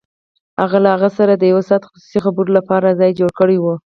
هغه له هغه سره د يو ساعته خصوصي خبرو لپاره ځای جوړ کړی و.